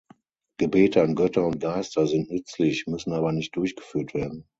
Gebete an Götter und Geister sind nützlich, müssen aber nicht durchgeführt werden.